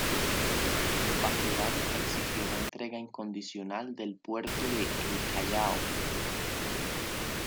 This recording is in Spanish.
Baquedano exigió la entrega incondicional del puerto de El Callao.